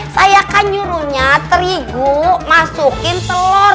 saya kan nyuruhnya terigu masukin telur